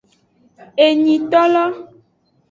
Enyitolo.